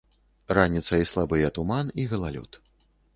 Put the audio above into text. Раніцай слабыя туман і галалёд.